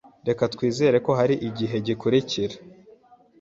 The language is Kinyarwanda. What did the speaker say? Reka twizere ko hari igihe gikurikira.